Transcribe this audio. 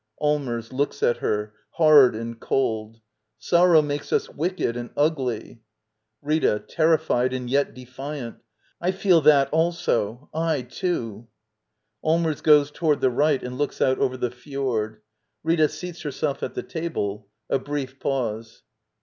Allmers. [Looks at her, hard and cold.] Sor row makes us wicked and ugly. Rita. [Terrified, and yet defiant.] I feel that also — I, too. [Allmers goes toward the right and looks out over the fjord. Rita seats herself at the table. A brief pause.